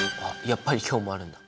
やっぱり今日もあるんだ。